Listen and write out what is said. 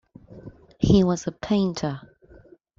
He was a painter.